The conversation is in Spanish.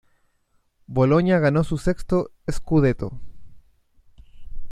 Bologna ganó su sexto "scudetto".